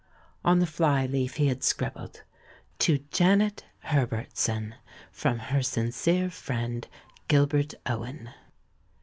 On the fly leaf he had scribbled, "To Janet Herbertson, from her sincere friend, Gilbert Owen."